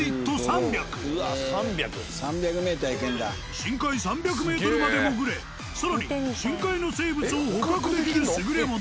深海３００ｍまで潜れ更に深海の生物を捕獲できる優れもの。